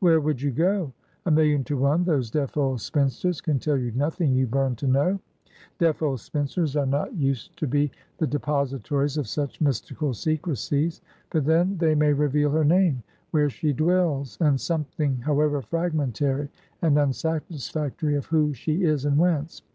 Where would you go? A million to one, those deaf old spinsters can tell you nothing you burn to know. Deaf old spinsters are not used to be the depositaries of such mystical secrecies. But then, they may reveal her name where she dwells, and something, however fragmentary and unsatisfactory, of who she is, and whence.